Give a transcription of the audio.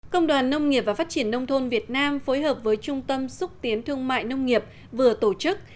công đoàn nông nghiệp và phát triển nông thôn việt nam phối hợp với trung tâm xúc tiến thương mại nông nghiệp vừa tổ chức